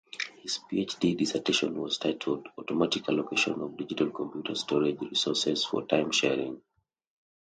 His PhD dissertation was titled "Automatic Allocation of Digital Computer Storage Resources for Time-sharing".